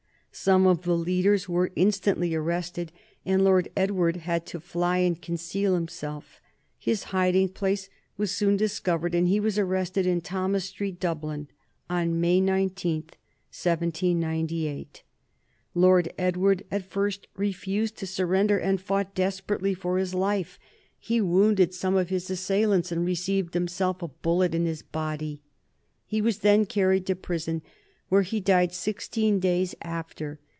Some of the leaders were instantly arrested, and Lord Edward had to fly and conceal himself. His hiding place was soon discovered, and he was arrested in Thomas Street, Dublin, on May 19, 1798. Lord Edward at first refused to surrender, and fought desperately for his life. He wounded some of his assailants, and received himself a bullet in his body. He was then carried to prison, where he died sixteen days after.